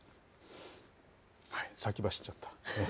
先走っちゃった。